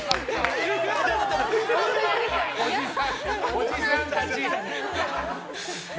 おじさんたち！